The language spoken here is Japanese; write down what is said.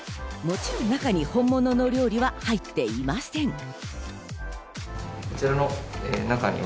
もちろん中に本物の料理は入っていません。